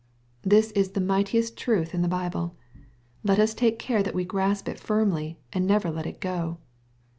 This is the mightiest truth in the Bible. Let he take care that we grasp it firmly, and never let it go.